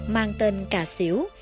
mang tên cà xỉu